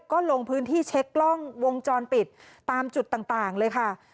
ก็ลงพื้นที่เช็คกล้องวงจรปิดตามจุดต่างเลยค่ะ